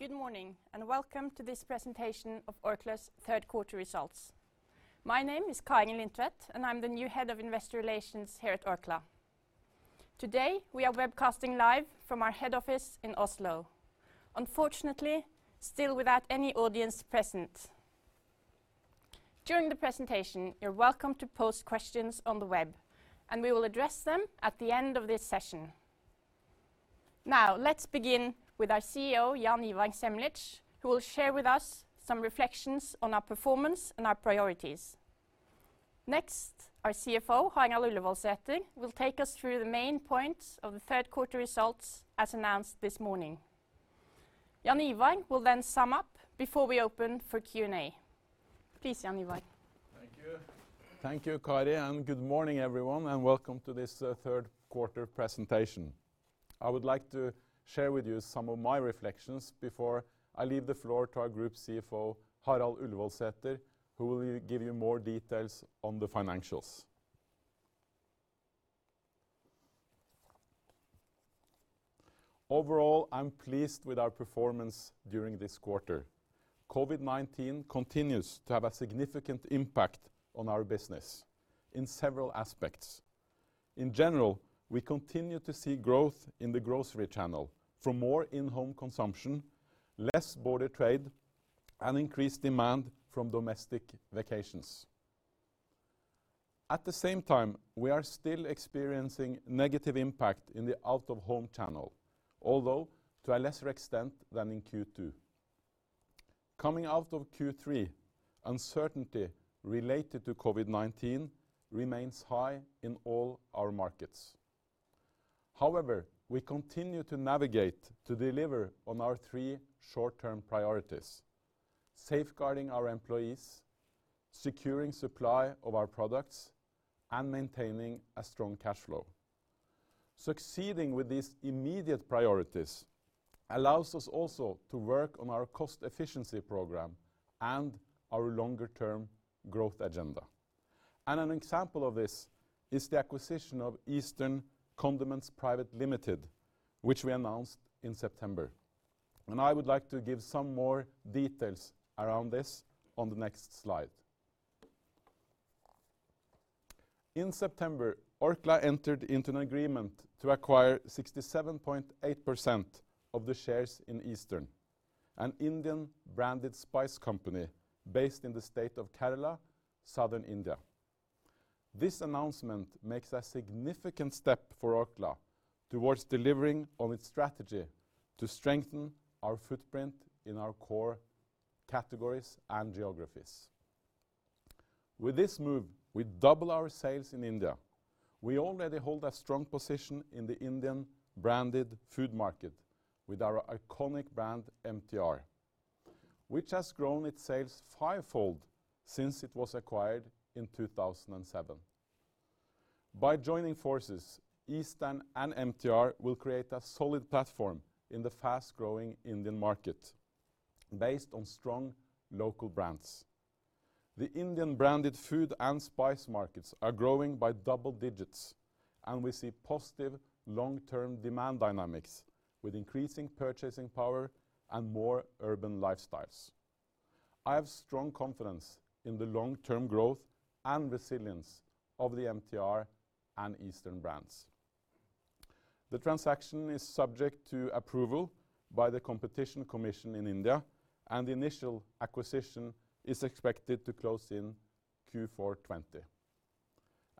Good morning, welcome to this presentation of Orkla's Third Quarter Results. My name is Kari Lindtvedt, and I'm the new Head of Investor Relations here at Orkla. Today, we are webcasting live from our head office in Oslo. Unfortunately, still without any audience present. During the presentation, you're welcome to post questions on the web, and we will address them at the end of this session. Let's begin with our CEO, Jaan Ivar Semlitsch, who will share with us some reflections on our performance and our priorities. Our CFO, Harald Ullevoldsæter, will take us through the main points of the third quarter results as announced this morning. Jaan Ivar will then sum up before we open for Q&A. Please, Jaan Ivar. Thank you. Thank you, Kari. Good morning, everyone, and welcome to this third quarter presentation. I would like to share with you some of my reflections before I leave the floor to our Group CFO, Harald Ullevoldsæter, who will give you more details on the financials. Overall, I'm pleased with our performance during this quarter. COVID-19 continues to have a significant impact on our business in several aspects. In general, we continue to see growth in the grocery channel from more in-home consumption, less border trade, and increased demand from domestic vacations. At the same time, we are still experiencing negative impact in the out-of-home channel, although to a lesser extent than in Q2. Coming out of Q3, uncertainty related to COVID-19 remains high in all our markets. We continue to navigate to deliver on our three short-term priorities: safeguarding our employees, securing supply of our products, and maintaining a strong cash flow. Succeeding with these immediate priorities allows us also to work on our cost efficiency program and our longer-term growth agenda. An example of this is the acquisition of Eastern Condiments Private Limited, which we announced in September. I would like to give some more details around this on the next slide. In September, Orkla entered into an agreement to acquire 67.8% of the shares in Eastern, an Indian branded spice company based in the state of Kerala, Southern India. This announcement makes a significant step for Orkla towards delivering on its strategy to strengthen our footprint in our core categories and geographies. With this move, we double our sales in India. We already hold a strong position in the Indian branded food market with our iconic brand, MTR, which has grown its sales fivefold since it was acquired in 2007. By joining forces, Eastern and MTR will create a solid platform in the fast-growing Indian market based on strong local brands. The Indian branded food and spice markets are growing by double digits, and we see positive long-term demand dynamics with increasing purchasing power and more urban lifestyles. I have strong confidence in the long-term growth and resilience of the MTR and Eastern brands. The transaction is subject to approval by the Competition Commission in India, and the initial acquisition is expected to close in Q4 2020,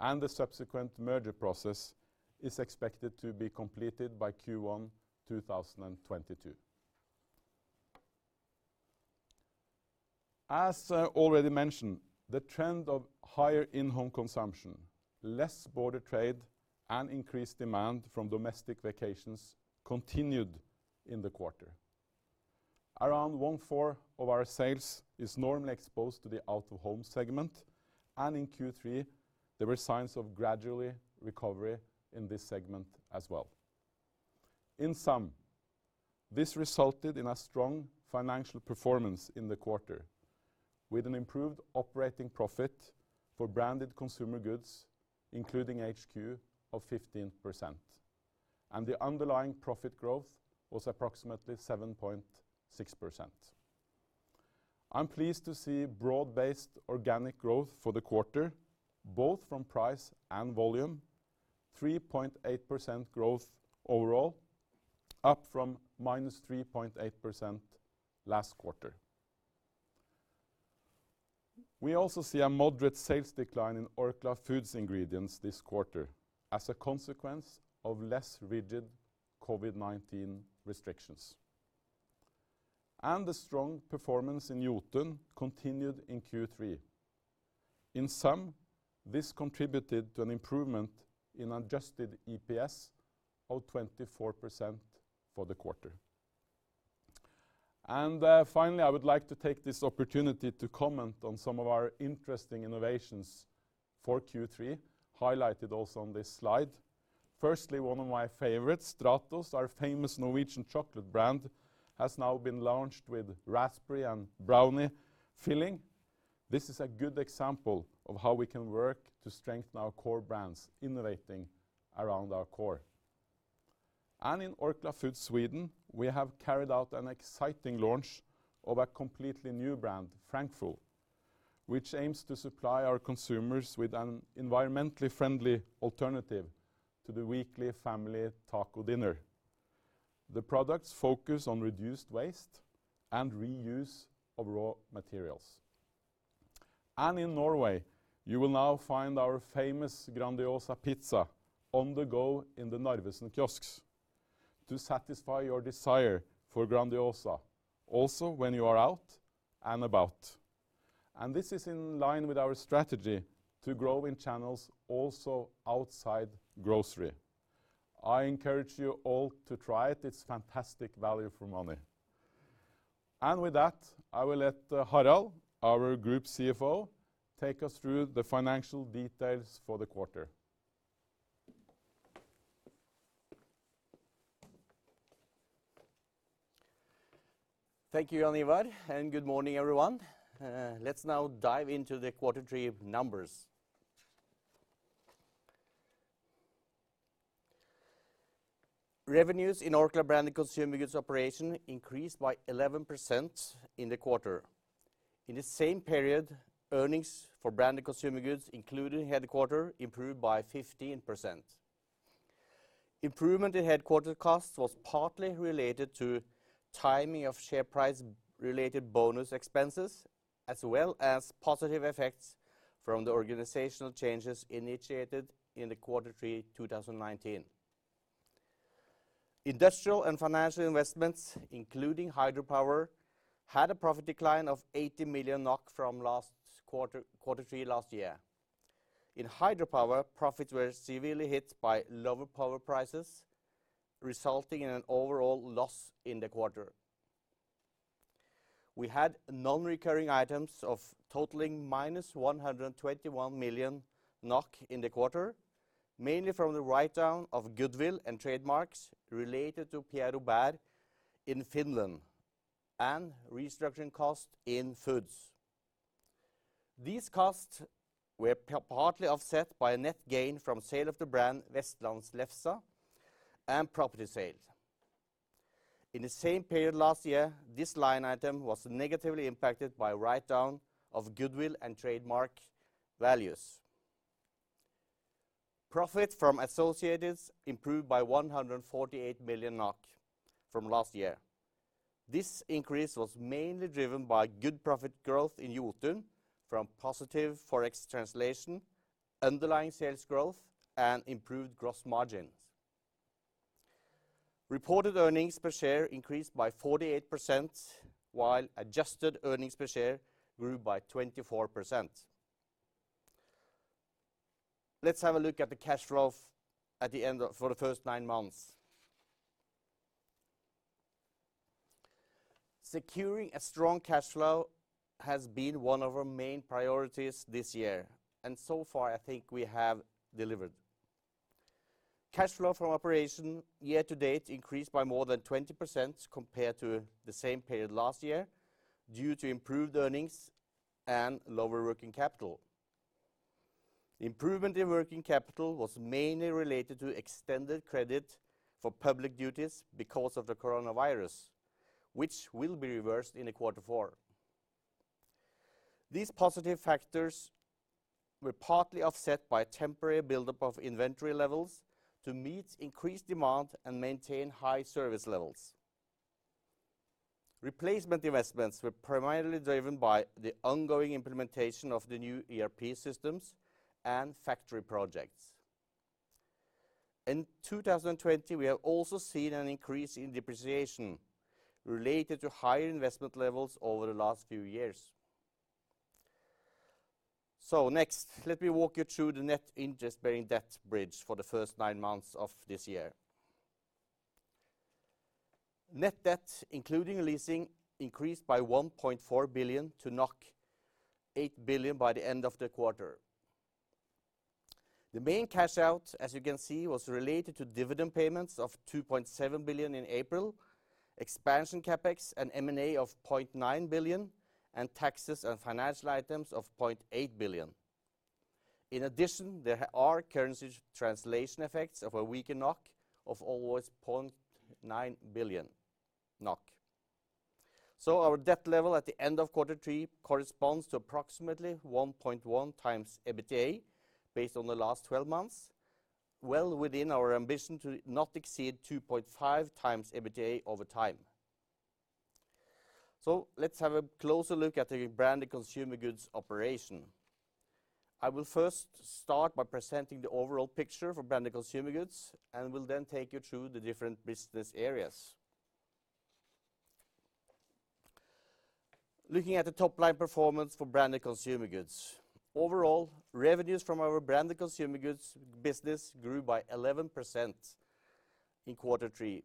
and the subsequent merger process is expected to be completed by Q1 2022. As already mentioned, the trend of higher in-home consumption, less border trade, and increased demand from domestic vacations continued in the quarter. Around 1/4 of our sales is normally exposed to the out-of-home segment, and in Q3, there were signs of gradual recovery in this segment as well. In sum, this resulted in a strong financial performance in the quarter with an improved operating profit for Branded Consumer Goods, including HQ, of 15%. The underlying profit growth was approximately 7.6%. I'm pleased to see broad-based organic growth for the quarter, both from price and volume, 3.8% growth overall, up from -3.8% last quarter. We also see a moderate sales decline in Orkla Food Ingredients this quarter as a consequence of less rigid COVID-19 restrictions. The strong performance in Jotun continued in Q3. In sum, this contributed to an improvement in adjusted EPS of 24% for the quarter. Finally, I would like to take this opportunity to comment on some of our interesting innovations for Q3, highlighted also on this slide. Firstly, one of my favorites, Stratos, our famous Norwegian chocolate brand, has now been launched with raspberry and brownie filling. This is a good example of how we can work to strengthen our core brands, innovating around our core. In Orkla Foods Sweden, we have carried out an exciting launch of a completely new brand, Frankful, which aims to supply our consumers with an environmentally friendly alternative to the weekly family taco dinner. The products focus on reduced waste and reuse of raw materials. In Norway, you will now find our famous Grandiosa pizza on the go in the Narvesen kiosks to satisfy your desire for Grandiosa also when you are out and about. This is in line with our strategy to grow in channels also outside grocery. I encourage you all to try it. It's fantastic value for money. With that, I will let Harald, our Group CFO, take us through the financial details for the quarter. Thank you, Jaan Ivar, and good morning, everyone. Let's now dive into the quarter three of numbers. Revenues in Orkla Branded Consumer Goods operation increased by 11% in the quarter. In the same period, earnings for Branded Consumer Goods, including headquarters, improved by 15%. Improvement in headquarters costs was partly related to timing of share price-related bonus expenses, as well as positive effects from the organizational changes initiated in the Q3 2019. Industrial and financial investments, including hydropower, had a profit decline of 80 million NOK from quarter three last year. In hydropower, profits were severely hit by lower power prices, resulting in an overall loss in the quarter. We had non-recurring items of totaling minus 121 million NOK in the quarter, mainly from the write-down of goodwill and trademarks related to Pierre Robert in Finland and restructuring costs in Foods. These costs were partly offset by a net gain from sale of the brand Vestlandslefsa and property sales. In the same period last year, this line item was negatively impacted by write-down of goodwill and trademark values. Profit from associates improved by 148 million NOK from last year. This increase was mainly driven by good profit growth in Jotun from positive forex translation, underlying sales growth, and improved gross margins. Reported earnings per share increased by 48%, while adjusted earnings per share grew by 24%. Let's have a look at the cash flow for the first nine months. Securing a strong cash flow has been one of our main priorities this year, and so far, I think we have delivered. Cash flow from operation year to date increased by more than 20% compared to the same period last year due to improved earnings and lower working capital. Improvement in working capital was mainly related to extended credit for public duties because of the coronavirus, which will be reversed in quarter four. These positive factors were partly offset by a temporary buildup of inventory levels to meet increased demand and maintain high service levels. Replacement investments were primarily driven by the ongoing implementation of the new ERP systems and factory projects. In 2020, we have also seen an increase in depreciation related to higher investment levels over the last few years. Next, let me walk you through the net interest-bearing debt bridge for the first nine months of this year. Net debt, including leasing, increased by 1.4 billion to 8 billion by the end of the quarter. The main cash out, as you can see, was related to dividend payments of 2.7 billion in April, expansion CapEx and M&A of 0.9 billion, and taxes and financial items of 0.8 billion. In addition, there are currency translation effects of a weaker NOK of always 0.9 billion NOK. Our debt level at the end of quarter three corresponds to approximately 1.1x EBITDA, based on the last 12 months, well within our ambition to not exceed 2.5x EBITDA over time. Let's have a closer look at the Branded Consumer Goods operation. I will first start by presenting the overall picture for Branded Consumer Goods and will then take you through the different business areas. Looking at the top-line performance for Branded Consumer Goods. Overall, revenues from our Branded Consumer Goods business grew by 11% in quarter three,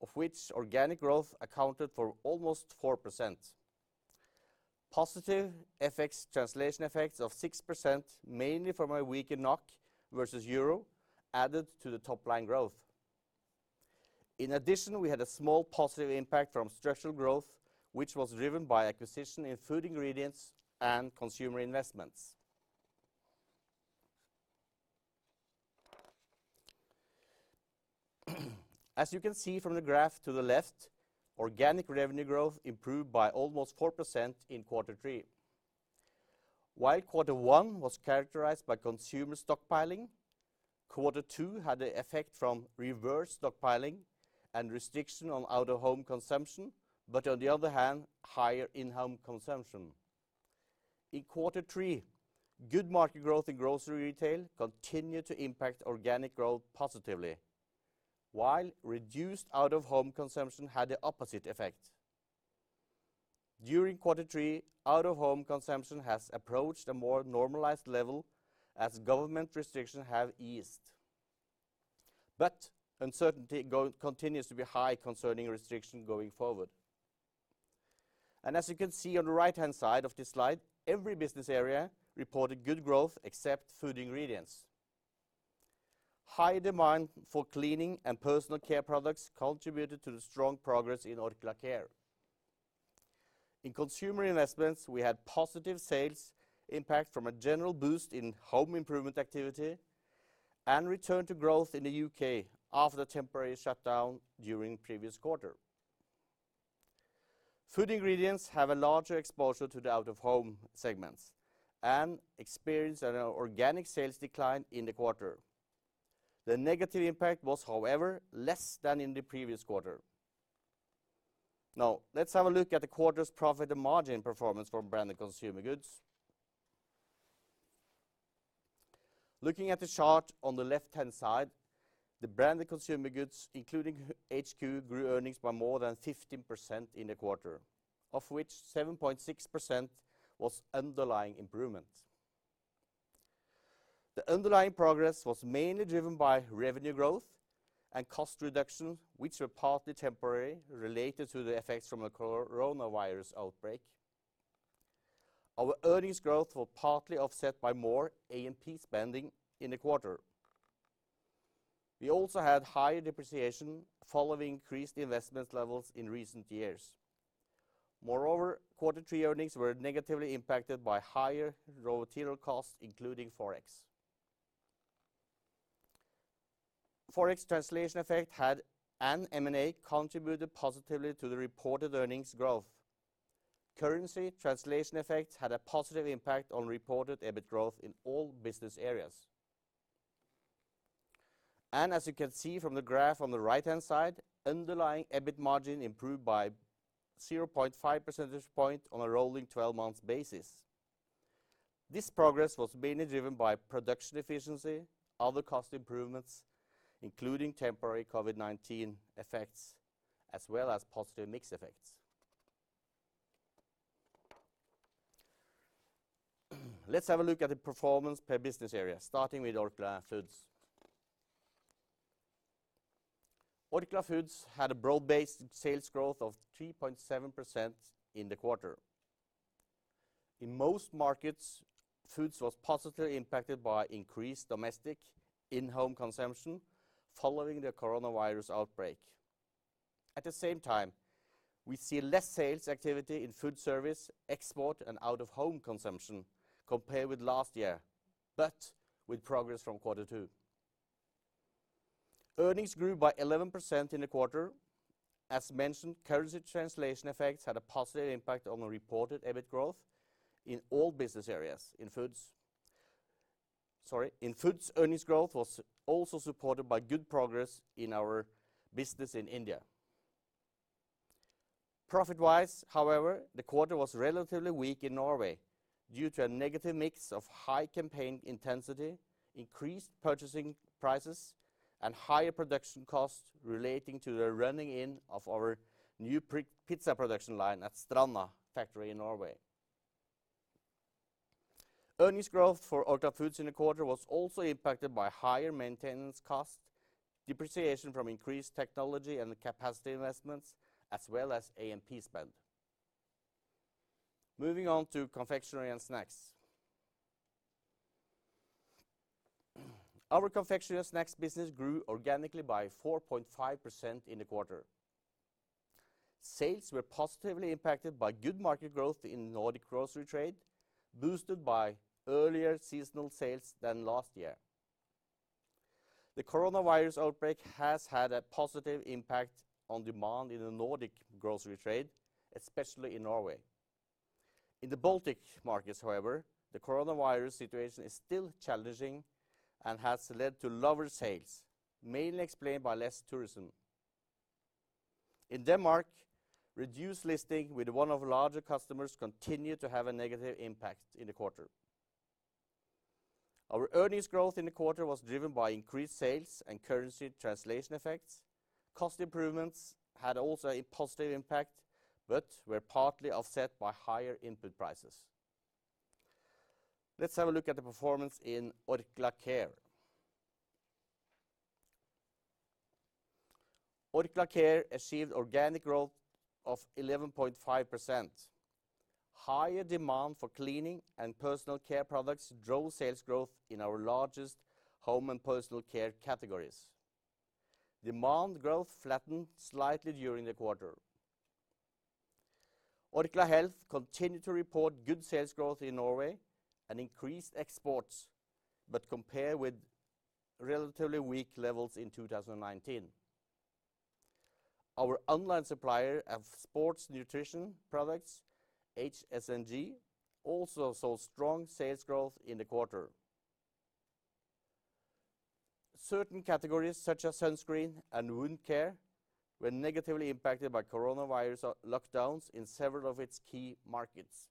of which organic growth accounted for almost 4%. Positive FX translation effects of 6%, mainly from a weaker NOK versus EUR, added to the top-line growth. In addition, we had a small positive impact from structural growth, which was driven by acquisition in Orkla Food Ingredients and Orkla Consumer Investments. As you can see from the graph to the left, organic revenue growth improved by almost 4% in quarter three. While quarter one was characterized by consumer stockpiling, quarter two had the effect from reverse stockpiling and restriction on out-of-home consumption, but on the other hand, higher in-home consumption. In quarter three, good market growth in grocery retail continued to impact organic growth positively, while reduced out-of-home consumption had the opposite effect. During quarter three, out-of-home consumption has approached a more normalized level as government restrictions have eased. Uncertainty continues to be high concerning restrictions going forward. As you can see on the right-hand side of this slide, every business area reported good growth except Orkla Food Ingredients. High demand for cleaning and personal care products contributed to the strong progress in Orkla Care. In Orkla Consumer Investments, we had positive sales impact from a general boost in home improvement activity and return to growth in the U.K. after the temporary shutdown during the previous quarter. Orkla Food Ingredients have a larger exposure to the out-of-home segments and experienced an organic sales decline in the quarter. The negative impact was, however, less than in the previous quarter. Let's have a look at the quarter's profit and margin performance for Branded Consumer Goods. Looking at the chart on the left-hand side, the Branded Consumer Goods, including HQ, grew earnings by more than 15% in the quarter, of which 7.6% was underlying improvement. The underlying progress was mainly driven by revenue growth and cost reduction, which were partly temporary, related to the effects from the coronavirus outbreak. Our earnings growth were partly offset by more A&P spending in the quarter. We also had higher depreciation following increased investment levels in recent years. Moreover, quarter three earnings were negatively impacted by higher raw material costs, including forex. Forex translation effect and M&A contributed positively to the reported earnings growth. Currency translation effects had a positive impact on reported EBIT growth in all business areas. As you can see from the graph on the right-hand side, underlying EBIT margin improved by 0.5 percentage point on a rolling 12 months basis. This progress was mainly driven by production efficiency, other cost improvements, including temporary COVID-19 effects, as well as positive mix effects. Let's have a look at the performance per business area, starting with Orkla Foods. Orkla Foods had a broad-based sales growth of 3.7% in the quarter. In most markets, Foods was positively impacted by increased domestic in-home consumption following the coronavirus outbreak. At the same time, we see less sales activity in food service, export, and out-of-home consumption compared with last year, but with progress from quarter two. Earnings grew by 11% in the quarter. As mentioned, currency translation effects had a positive impact on the reported EBIT growth in all business areas. In Foods, earnings growth was also supported by good progress in our business in India. Profit-wise, however, the quarter was relatively weak in Norway due to a negative mix of high campaign intensity, increased purchasing prices, and higher production costs relating to the running in of our new pizza production line at Stranda factory in Norway. Earnings growth for Orkla Foods in the quarter was also impacted by higher maintenance costs, depreciation from increased technology and capacity investments, as well as A&P spend. Moving on to Confectionery and Snacks. Our Confectionery and Snacks business grew organically by 4.5% in the quarter. Sales were positively impacted by good market growth in Nordic grocery trade, boosted by earlier seasonal sales than last year. The coronavirus outbreak has had a positive impact on demand in the Nordic grocery trade, especially in Norway. In the Baltic markets, however, the coronavirus situation is still challenging and has led to lower sales, mainly explained by less tourism. In Denmark, reduced listing with one of our larger customers continued to have a negative impact in the quarter. Our earnings growth in the quarter was driven by increased sales and currency translation effects. Cost improvements had also a positive impact, but were partly offset by higher input prices. Let's have a look at the performance in Orkla Care. Orkla Care achieved organic growth of 11.5%. Higher demand for cleaning and personal care products drove sales growth in our largest home and personal care categories. Demand growth flattened slightly during the quarter. Orkla Health continued to report good sales growth in Norway and increased exports, but compared with relatively weak levels in 2019. Our online supplier of sports nutrition products, HSNG, also saw strong sales growth in the quarter. Certain categories, such as sunscreen and wound care, were negatively impacted by coronavirus lockdowns in several of its key markets.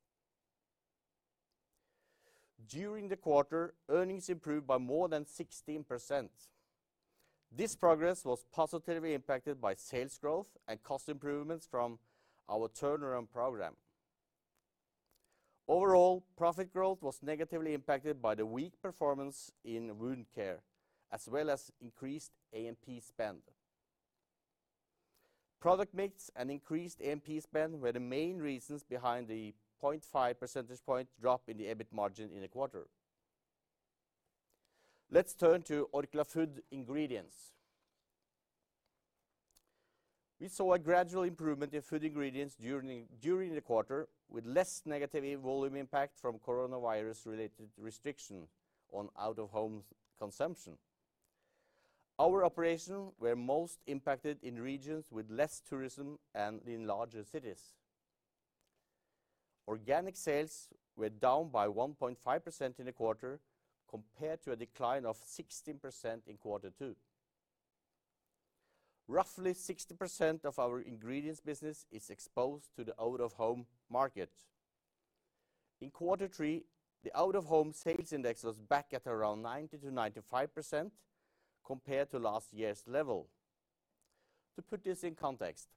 During the quarter, earnings improved by more than 16%. This progress was positively impacted by sales growth and cost improvements from our turnaround program. Overall, profit growth was negatively impacted by the weak performance in wound care, as well as increased A&P spend. Product mix and increased A&P spend were the main reasons behind the 0.5 percentage point drop in the EBIT margin in the quarter. Let's turn to Orkla Food Ingredients. We saw a gradual improvement in food ingredients during the quarter, with less negative volume impact from coronavirus related restriction on out-of-home consumption. Our operations were most impacted in regions with less tourism and in larger cities. Organic sales were down by 1.5% in the quarter, compared to a decline of 16% in quarter two. Roughly 60% of our ingredients business is exposed to the out-of-home market. In quarter three, the out-of-home sales index was back at around 90%-95% compared to last year's level. To put this in context,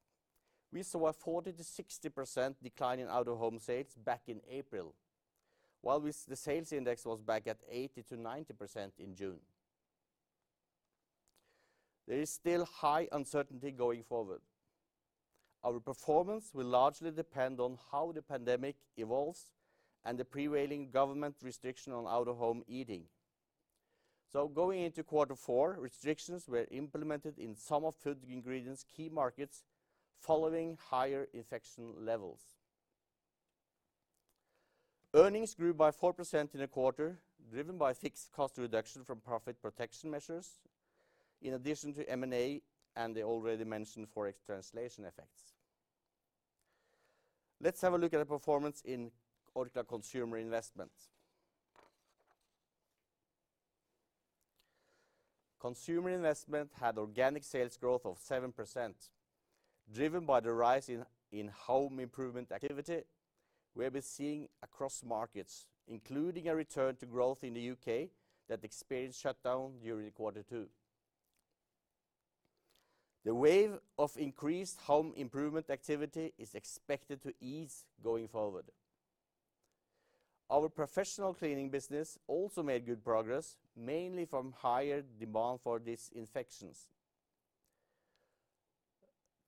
we saw a 40%-60% decline in out-of-home sales back in April, while the sales index was back at 80%-90% in June. There is still high uncertainty going forward. Our performance will largely depend on how the pandemic evolves and the prevailing government restriction on out-of-home eating. Going into quarter four, restrictions were implemented in some of Food Ingredients' key markets following higher infection levels. Earnings grew by 4% in a quarter, driven by fixed cost reduction from profit protection measures, in addition to M&A and the already mentioned forex translation effects. Let's have a look at the performance in Orkla Consumer Investments. Consumer Investments had organic sales growth of 7%, driven by the rise in home improvement activity we have been seeing across markets, including a return to growth in the U.K. that experienced shutdown during the quarter two. The wave of increased home improvement activity is expected to ease going forward. Our professional cleaning business also made good progress, mainly from higher demand for disinfections.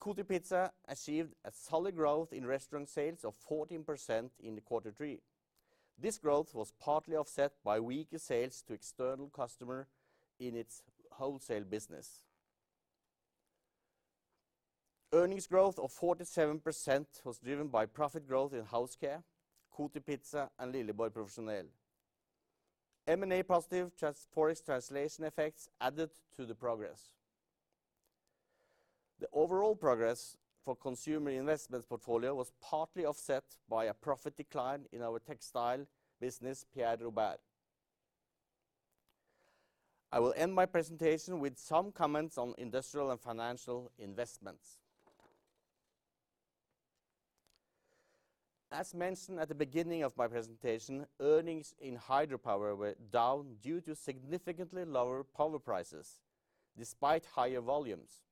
Kotipizza achieved a solid growth in restaurant sales of 14% in the quarter three. This growth was partly offset by weaker sales to external customer in its wholesale business. Earnings growth of 47% was driven by profit growth in House Care, Kotipizza, and Lilleborg Professional. M&A positive forex translation effects added to the progress. The overall progress for Consumer Investments portfolio was partly offset by a profit decline in our textile business, Pierre Robert. I will end my presentation with some comments on industrial and financial investments. As mentioned at the beginning of my presentation, earnings in hydropower were down due to significantly lower power prices, despite higher volumes.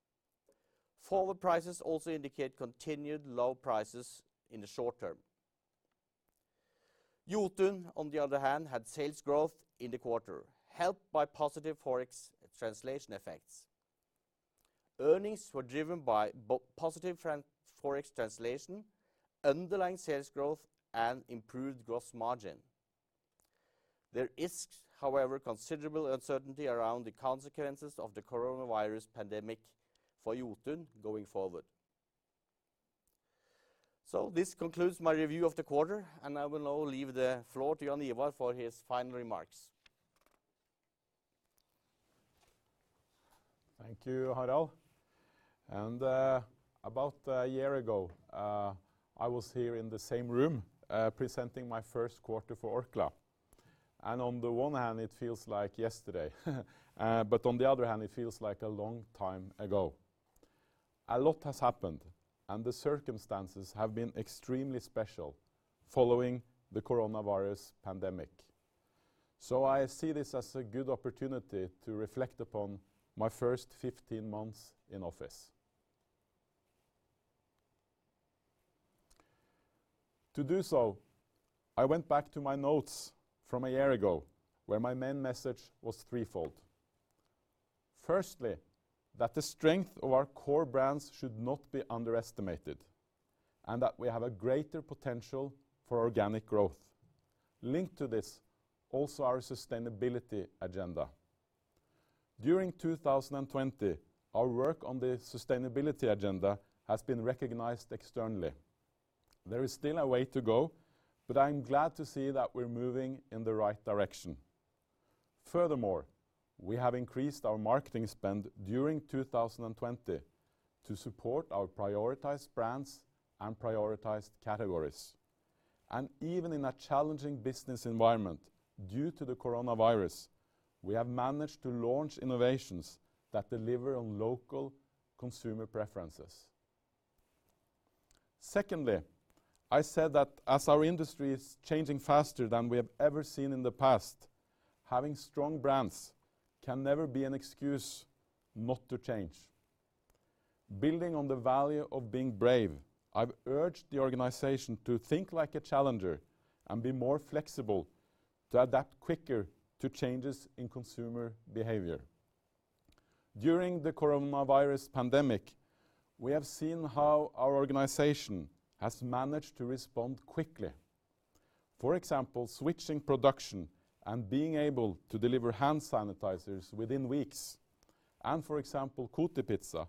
Forward prices also indicate continued low prices in the short term. Jotun, on the other hand, had sales growth in the quarter, helped by positive forex translation effects. Earnings were driven by positive forex translation, underlying sales growth, and improved gross margin. There is, however, considerable uncertainty around the consequences of the coronavirus pandemic for Jotun going forward. This concludes my review of the quarter, and I will now leave the floor to Jaan Ivar for his final remarks. Thank you, Harald. About a year ago, I was here in the same room presenting my first quarter for Orkla, and on the one hand, it feels like yesterday, but on the other hand, it feels like a long time ago. A lot has happened, and the circumstances have been extremely special following the coronavirus pandemic, I see this as a good opportunity to reflect upon my first 15 months in office. To do so, I went back to my notes from a year ago, where my main message was threefold. Firstly, that the strength of our core brands should not be underestimated, and that we have a greater potential for organic growth. Linked to this is also our sustainability agenda. During 2020, our work on the sustainability agenda has been recognized externally. There is still a way to go, but I'm glad to see that we're moving in the right direction. Furthermore, we have increased our marketing spend during 2020 to support our prioritized brands and prioritized categories. Even in a challenging business environment due to the coronavirus, we have managed to launch innovations that deliver on local consumer preferences. Secondly, I said that as our industry is changing faster than we have ever seen in the past, having strong brands can never be an excuse not to change. Building on the value of being brave, I've urged the organization to think like a challenger and be more flexible to adapt quicker to changes in consumer behavior. During the coronavirus pandemic, we have seen how our organization has managed to respond quickly. For example, switching production and being able to deliver hand sanitizers within weeks. For example, Kotipizza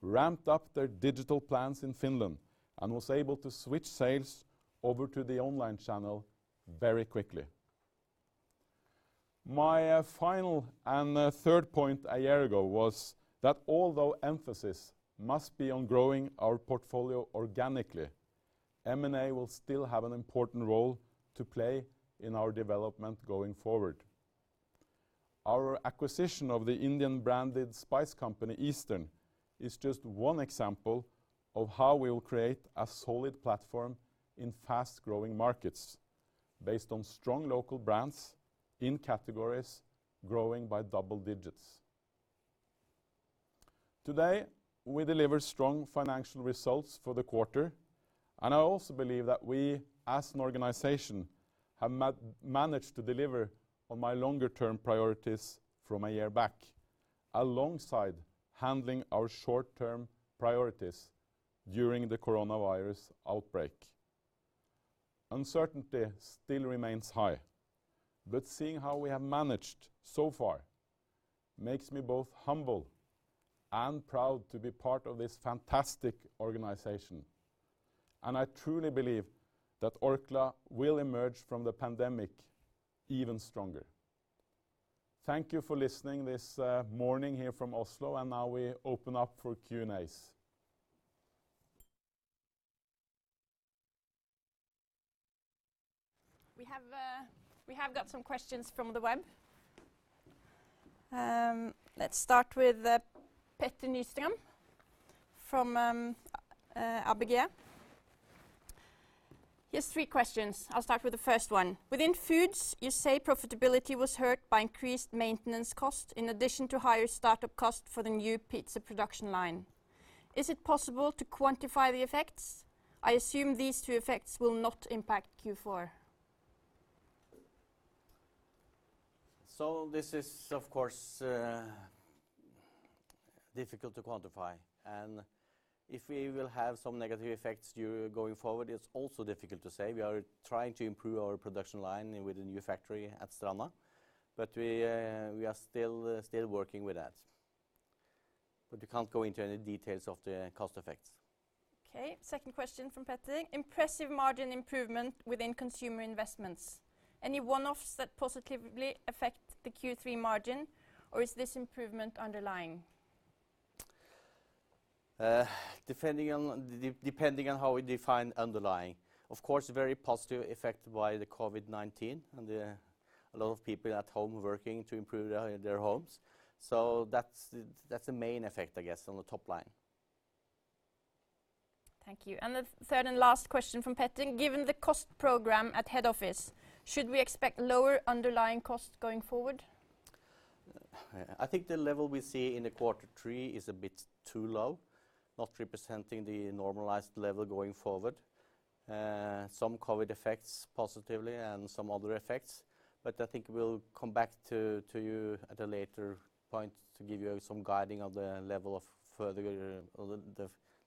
ramped up their digital plans in Finland and was able to switch sales over to the online channel very quickly. My final and third point a year ago was that although emphasis must be on growing our portfolio organically, M&A will still have an important role to play in our development going forward. Our acquisition of the Indian branded spice company Eastern is just one example of how we'll create a solid platform in fast-growing markets based on strong local brands in categories growing by double digits. Today, we deliver strong financial results for the quarter, and I also believe that we, as an organization, have managed to deliver on my longer-term priorities from a year back, alongside handling our short-term priorities during the coronavirus outbreak. Uncertainty still remains high, but seeing how we have managed so far makes me both humble and proud to be part of this fantastic organization, and I truly believe that Orkla will emerge from the pandemic even stronger. Thank you for listening this morning here from Oslo, and now we open up for Q&As. We have got some questions from the web. Let's start with Petter Nystrøm from ABG. He has three questions. I'll start with the first one. Within Foods, you say profitability was hurt by increased maintenance costs in addition to higher startup costs for the new pizza production line. Is it possible to quantify the effects? I assume these two effects will not impact Q4. This is, of course, difficult to quantify, and if we will have some negative effects going forward, it's also difficult to say. We are trying to improve our production line with the new factory at Stranda, but we are still working with that. We can't go into any details of the cost effects. Okay. Second question from Petter. Impressive margin improvement within Consumer Investments. Any one-offs that positively affect the Q3 margin, or is this improvement underlying? Depending on how we define underlying. Of course, very positive effect by the COVID-19 and a lot of people at home working to improve their homes. That's the main effect, I guess, on the top line. Thank you. The third and last question from Petter. Given the cost program at head office, should we expect lower underlying costs going forward? I think the level we see in the quarter three is a bit too low, not representing the normalized level going forward. Some COVID effects positively and some other effects, I think we'll come back to you at a later point to give you some guiding of the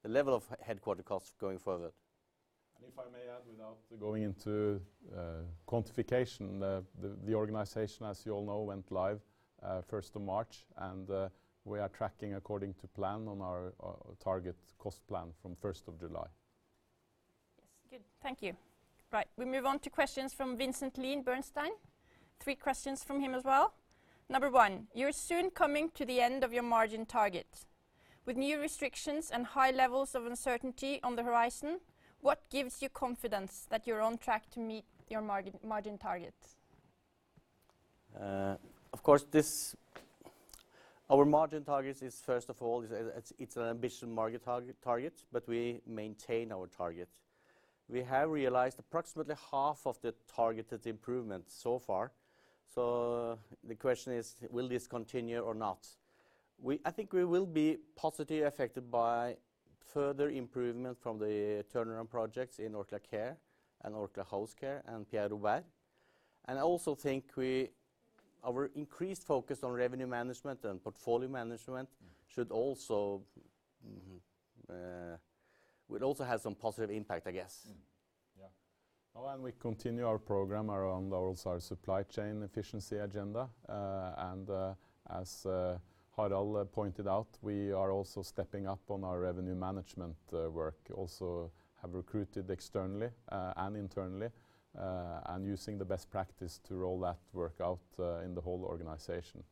level of headquarter costs going further. If I may add, without going into quantification, the organization, as you all know, went live 1st of March, and we are tracking according to plan on our target cost plan from 1st of July. Yes. Good. Thank you. Right, we move on to questions from Vincent Lien, Bernstein. Three questions from him as well. Number one, you're soon coming to the end of your margin target. With new restrictions and high levels of uncertainty on the horizon, what gives you confidence that you're on track to meet your margin target? Of course, our margin target is, first of all, it's an ambitious margin target, but we maintain our target. We have realized approximately half of the targeted improvement so far. The question is: Will this continue or not? I think we will be positively affected by further improvement from the turnaround projects in Orkla Care and Orkla House Care and Pierre Robert. I also think our increased focus on revenue management and portfolio management will also have some positive impact, I guess. Yeah. We continue our program around also our supply chain efficiency agenda. As Harald pointed out, we are also stepping up on our revenue management work, also have recruited externally and internally, and using the best practice to roll that work out in the whole organization.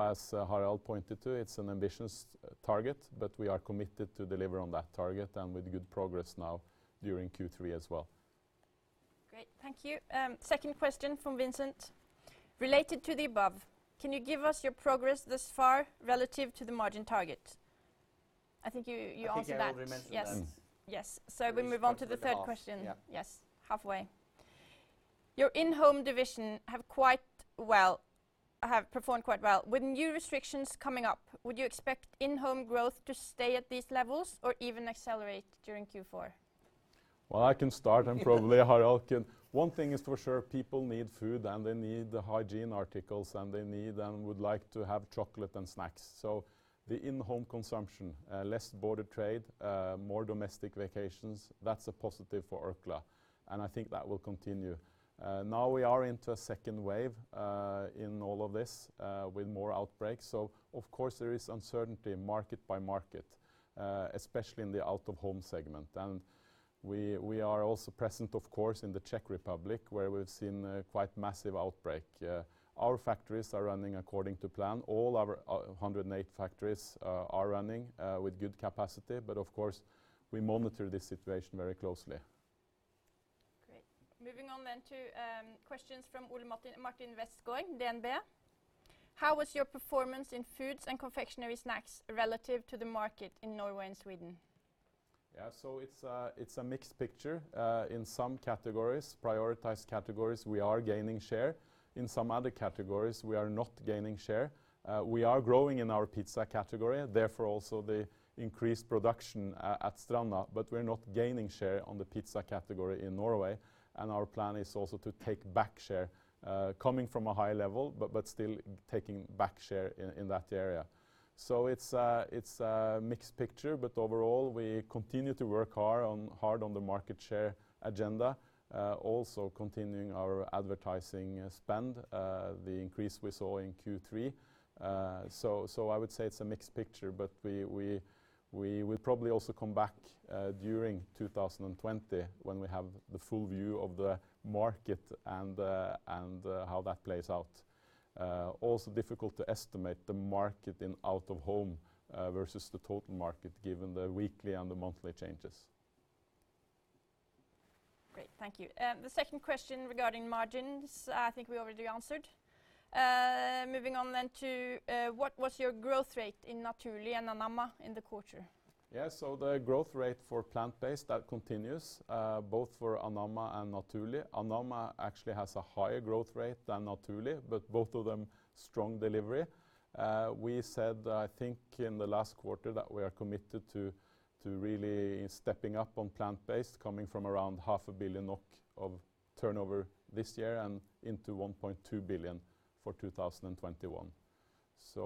As Harald pointed to, it's an ambitious target, but we are committed to deliver on that target and with good progress now during Q3 as well. Great. Thank you. Second question from Vincent. Related to the above, can you give us your progress thus far relative to the margin target? I think you answered that. I think I already mentioned that. Yes. We move on to the third question. Yeah. Yes. Halfway. Your in-home division have performed quite well. With new restrictions coming up, would you expect in-home growth to stay at these levels or even accelerate during Q4? Well, I can start and probably Harald can, one thing is for sure, people need food and they need the hygiene articles, and they need and would like to have chocolate and snacks. The in-home consumption, less border trade, more domestic vacations, that's a positive for Orkla, and I think that will continue. Now we are into a second wave in all of this with more outbreaks, so of course there is uncertainty market-by-market, especially in the out-of-home segment. We are also present, of course, in the Czech Republic where we've seen a quite massive outbreak. Our factories are running according to plan. All our 108 factories are running with good capacity but, of course, we monitor the situation very closely. Great. Moving on to questions from Ole Martin Westgaard, DNB. How was your performance in Foods and Confectionery and Snacks relative to the market in Norway and Sweden? It's a mixed picture. In some categories, prioritized categories, we are gaining share. In some other categories, we are not gaining share. We are growing in our pizza category, therefore also the increased production at Stranda, but we're not gaining share on the pizza category in Norway, and our plan is also to take back share, coming from a high level but still taking back share in that area. It's a mixed picture but overall, we continue to work hard on the market share agenda, also continuing our advertising spend, the increase we saw in Q3. I would say it's a mixed picture, but we will probably also come back during 2020 when we have the full view of the market and how that plays out. Also difficult to estimate the market in out-of-home versus the total market, given the weekly and the monthly changes. Great. Thank you. The second question regarding margins, I think we already answered. Moving on to what was your growth rate in NATURLI' and Anamma in the quarter? The growth rate for plant-based, that continues both for Anamma and NATURLI'. Anamma actually has a higher growth rate than NATURLI', both of them strong delivery. We said, I think, in the last quarter that we are committed to really stepping up on plant-based, coming from around half a billion NOK of turnover this year and into 1.2 billion for 2021.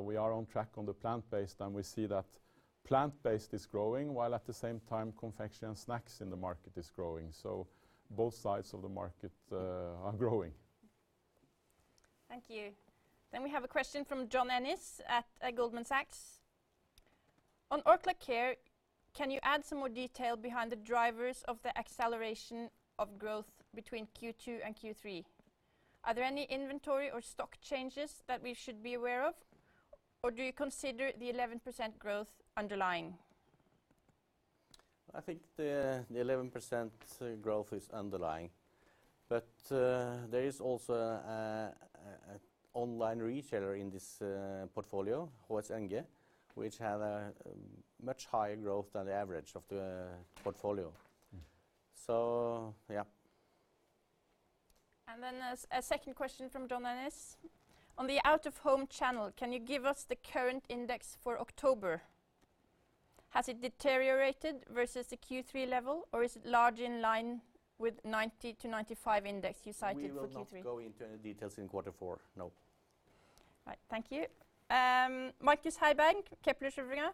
We are on track on the plant-based, and we see that plant-based is growing while at the same time Confectionery and Snacks in the market is growing. Both sides of the market are growing. Thank you. We have a question from John Ennis at Goldman Sachs. On Orkla Care, can you add some more detail behind the drivers of the acceleration of growth between Q2 and Q3? Are there any inventory or stock changes that we should be aware of, or do you consider the 11% growth underlying? I think the 11% growth is underlying, there is also an online retailer in this portfolio, HSNG, which had a much higher growth than the average of the portfolio. So, yeah. A second question from John Ennis. On the out-of-home channel, can you give us the current index for October? Has it deteriorated versus the Q3 level, or is it largely in line with 90-95 index you cited for Q3? We will not go into any details in quarter four, no. Right. Thank you. Markus Heiberg, Kepler Cheuvreux.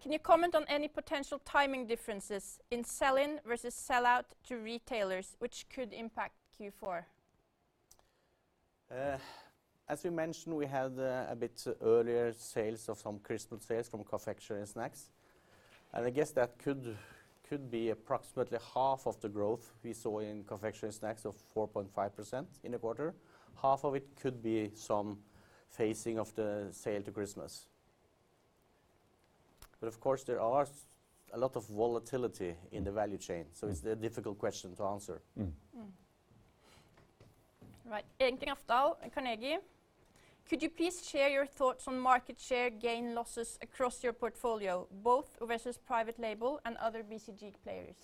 Can you comment on any potential timing differences in sell-in versus sell-out to retailers which could impact Q4? As we mentioned, we had a bit earlier sales of some Christmas sales from Confectionery and Snacks. I guess that could be approximately half of the growth we saw in Confectionery and Snacks of 4.5% in a quarter. Half of it could be some phasing of the sale to Christmas. Of course, there are a lot of volatility in the value chain. It's a difficult question to answer. Right. Ingrid Aftal, Carnegie. Could you please share your thoughts on market share gain losses across your portfolio, both versus private label and other BCG players?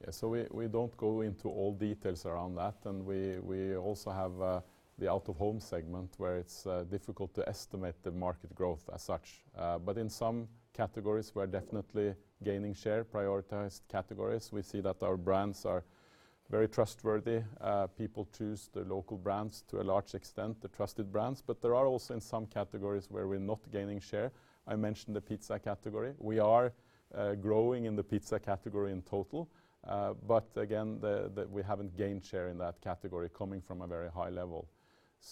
Yeah, we don't go into all details around that, and we also have the out-of-home segment where it's difficult to estimate the market growth as such. In some categories, we're definitely gaining share, prioritized categories. We see that our brands are very trustworthy. People choose the local brands to a large extent, the trusted brands, but there are also in some categories where we're not gaining share. I mentioned the pizza category. We are growing in the pizza category in total. Again, we haven't gained share in that category coming from a very high level.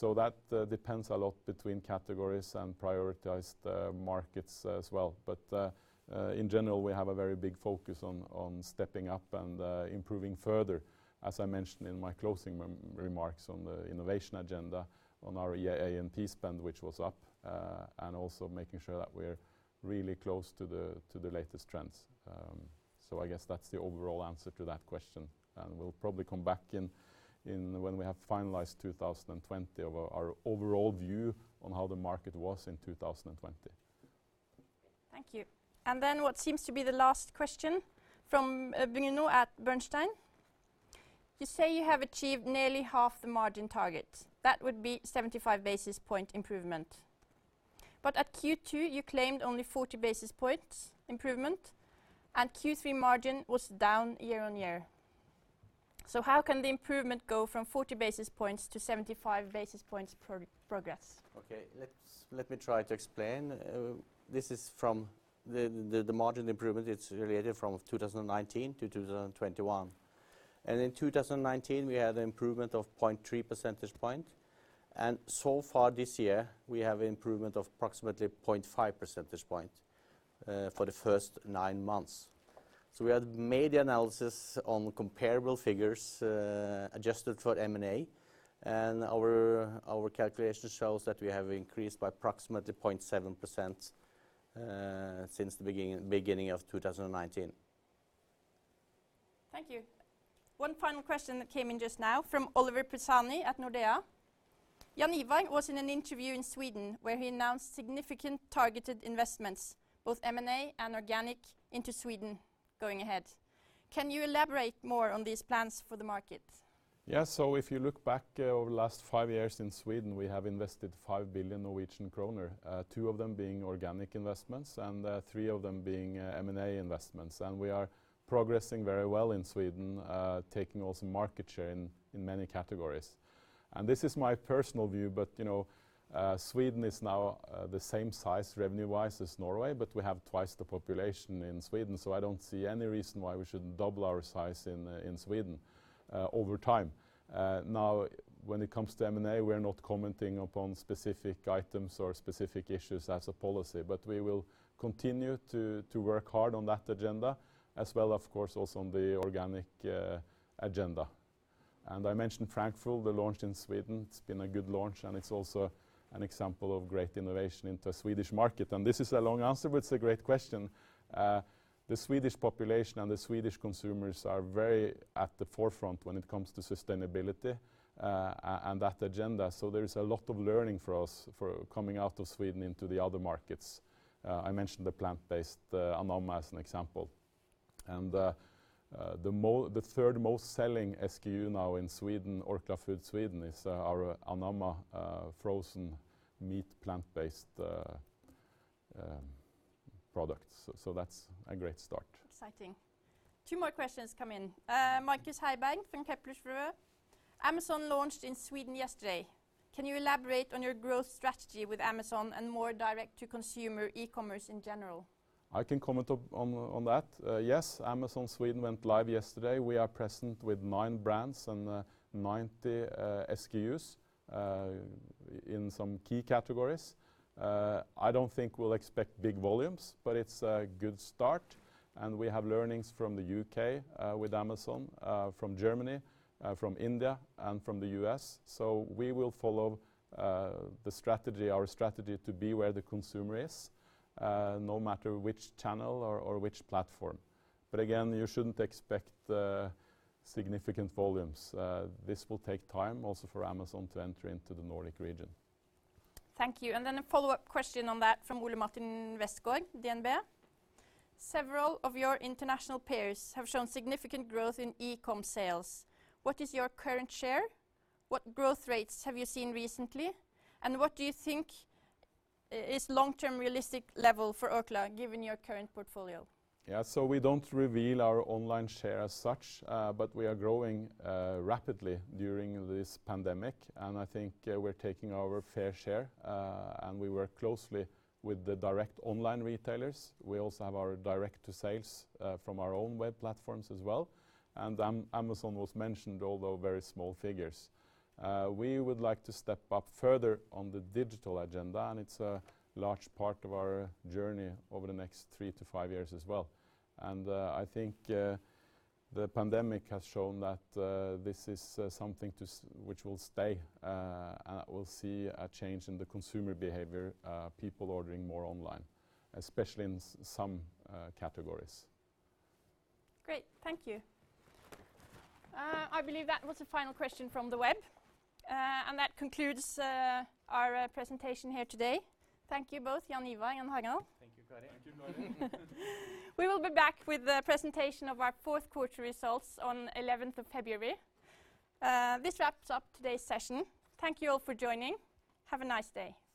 That depends a lot between categories and prioritized markets as well. In general, we have a very big focus on stepping up and improving further, as I mentioned in my closing remarks on the innovation agenda on our A&P spend, which was up, and also making sure that we're really close to the latest trends. I guess that's the overall answer to that question, and we'll probably come back in when we have finalized 2020 of our overall view on how the market was in 2020. Thank you. What seems to be the last question from Bruno at Bernstein. You say you have achieved nearly half the margin target. That would be 75 basis point improvement. At Q2, you claimed only 40 basis points improvement, and Q3 margin was down year-on-year. How can the improvement go from 40 basis points to 75 basis points progress? Okay. Let me try to explain. This is from the margin improvement. It's related from 2019 to 2021. In 2019, we had an improvement of 0.3 percentage point, and so far this year, we have improvement of approximately 0.5 percentage point for the first nine months. We had made the analysis on comparable figures, adjusted for M&A, and our calculation shows that we have increased by approximately 0.7% since the beginning of 2019. Thank you. One final question that came in just now from Oliver Pisani at Nordea. Jaan Ivar was in an interview in Sweden where he announced significant targeted investments, both M&A and organic into Sweden going ahead. Can you elaborate more on these plans for the market? If you look back over the last five years in Sweden, we have invested 5 billion Norwegian kroner, two of them being organic investments and three of them being M&A investments. We are progressing very well in Sweden, taking also market share in many categories. This is my personal view, but you know, Sweden is now the same size revenue-wise as Norway, but we have twice the population in Sweden, so I don't see any reason why we shouldn't double our size in Sweden over time. Now, when it comes to M&A, we're not commenting upon specific items or specific issues as a policy, but we will continue to work hard on that agenda as well, of course, also on the organic agenda. I mentioned Frankful, the launch in Sweden, it's been a good launch, and it's also an example of great innovation into Swedish market. This is a long answer, but it's a great question. The Swedish population and the Swedish consumers are very at the forefront when it comes to sustainability, and that agenda. There is a lot of learning for us for coming out of Sweden into the other markets. I mentioned the plant-based Anamma as an example. The third most selling SKU now in Sweden, Orkla Foods Sweden, is our Anamma frozen meat plant-based product. That's a great start. Exciting. Two more questions come in. Markus Heiberg from Kepler Cheuvreux. Amazon launched in Sweden yesterday. Can you elaborate on your growth strategy with Amazon and more direct to consumer e-commerce in general? I can comment on that. Yes, Amazon Sweden went live yesterday. We are present with nine brands and 90 SKUs in some key categories. I don't think we'll expect big volumes, but it's a good start, and we have learnings from the U.K. with Amazon, from Germany, from India, and from the U.S. We will follow our strategy to be where the consumer is, no matter which channel or which platform. Again, you shouldn't expect significant volumes. This will take time also for Amazon to enter into the Nordic region. Thank you. A follow-up question on that from Ole Martin Westgaard, DNB. Several of your international peers have shown significant growth in e-com sales. What is your current share? What growth rates have you seen recently? What do you think is long-term realistic level for Orkla given your current portfolio? We don't reveal our online share as such, but we are growing rapidly during this pandemic, and I think we're taking our fair share, and we work closely with the direct online retailers. We also have our direct to sales from our own web platforms as well. Amazon was mentioned, although very small figures. We would like to step up further on the digital agenda. It's a large part of our journey over the next three to five years as well. I think the pandemic has shown that this is something which will stay, and we'll see a change in the consumer behavior, people ordering more online, especially in some categories. Great. Thank you. I believe that was the final question from the web. That concludes our presentation here today. Thank you both, Jaan Ivar and Harald. Thank you, Kari. Thank you, Kari. We will be back with the presentation of our fourth quarter results on 11th of February. This wraps up today's session. Thank you all for joining. Have a nice day.